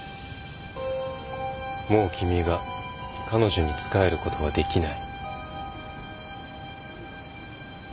もう君が彼女に仕えることはできない。